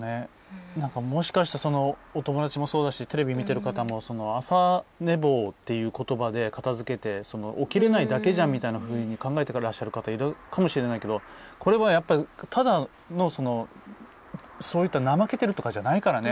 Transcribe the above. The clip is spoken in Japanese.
もしかしてそのお友達もそうだしテレビ見ている方も朝寝坊っていうことばで片づけて、起きれないだけじゃんみたいに考えてらっしゃる方いらっしゃるかもしれないけどこれは、やっぱり怠けてるとかじゃないからね。